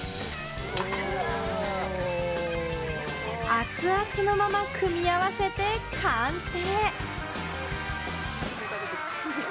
熱々のまま組み合わせて完成。